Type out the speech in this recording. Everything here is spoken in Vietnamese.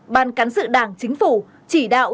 ban cán sự đảng chính phủ chỉ đạo